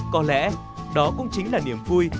có lẽ đó cũng chính là niềm vui